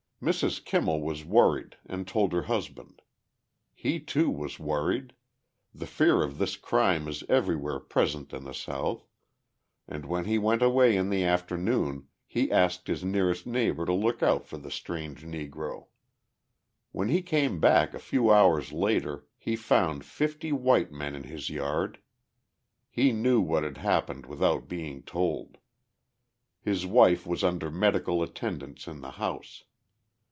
Mrs. Kimmel was worried and told her husband. He, too, was worried the fear of this crime is everywhere present in the South and when he went away in the afternoon he asked his nearest neighbour to look out for the strange Negro. When he came back a few hours later, he found fifty white men in his yard. He knew what had happened without being told: his wife was under medical attendance in the house.